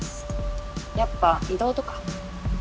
やっぱ異動とか？